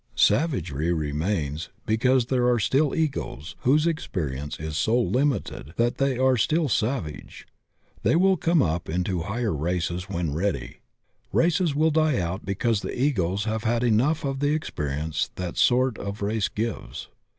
Savagery remains because there are still Egos whose experience is so limited that they are still savage; they will come up into higher races when ready. Races die out because the Egos have had enough of the experience that sort of race gives.